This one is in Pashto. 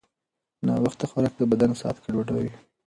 ناوخته خوراک د بدن ساعت ګډوډوي.